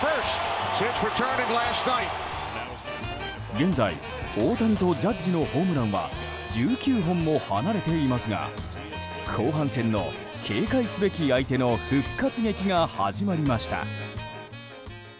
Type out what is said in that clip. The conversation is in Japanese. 現在、大谷とジャッジのホームランは１９本も離れていますが後半戦の警戒すべき相手の復活劇が始まりました。